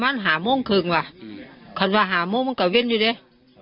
มันหามงกินเหมือนว่าถามว่าหามงกินของกะแว่นอยู่ดิ